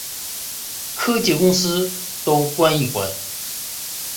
科技公司都关一关